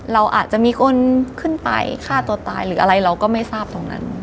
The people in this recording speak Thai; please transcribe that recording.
เราอาจจะมีคนขึ้นไปฆ่าตัวตายหรืออะไรเราก็ไม่ทราบตรงนั้น